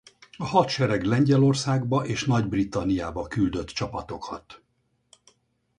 A hadsereg Lengyelországba és Nagy-Britanniába küldött csapatokat.